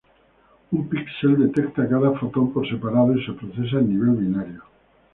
Un píxel detecta cada fotón por separado y se procesa en nivel binario.